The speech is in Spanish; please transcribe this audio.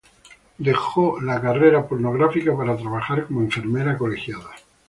Dejó la carrera pornográfica para trabajar como enfermera colegiada.